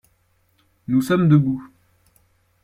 Nous sommes debout.